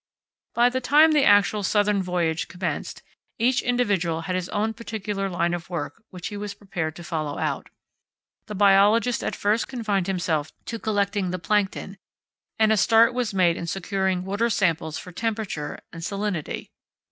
By the time the actual southern voyage commenced, each individual had his own particular line of work which he was prepared to follow out. The biologist at first confined himself to collecting the plankton, and a start was made in securing water samples for temperature and salinity.